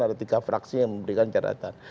ada tiga fraksi yang memberikan catatan